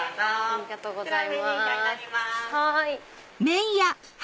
ありがとうございます。